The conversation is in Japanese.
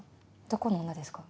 どこの女ですか？